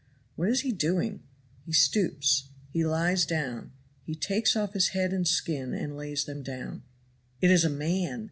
What is he doing? He stoops he lies down he takes off his head and skin and lays them down. It is a man!